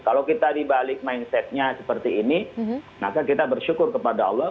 kalau kita dibalik mindsetnya seperti ini maka kita bersyukur kepada allah